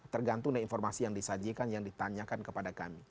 tergantung dengan informasi yang disajikan yang ditanyakan kepada kami